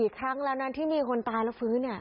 ครั้งแล้วนะที่มีคนตายแล้วฟื้น